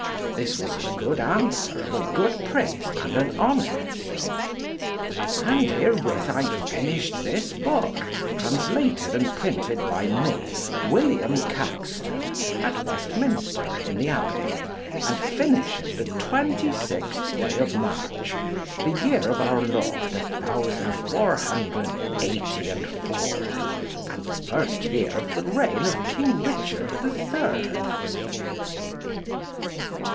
This was a good answer of a good priest and an honest. And herewith I finished this book, translated and printed by me, William Caxton, at Westminster in the Abbey, and finished the 26th day of March, the year of our Lord 1484, and the first year of the reign of King Richard the Third.